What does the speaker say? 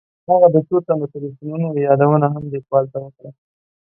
هغه د څو تنو تیلیفونونو یادونه هم لیکوال ته وکړه.